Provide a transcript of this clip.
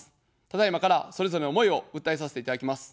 ただいまから、それぞれの思いを訴えさせていただきます。